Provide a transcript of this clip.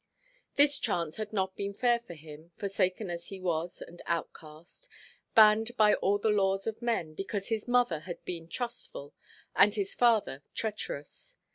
This chance had not been fair for him, forsaken as he was, and outcast; banned by all the laws of men, because his mother had been trustful, and his father treacherous.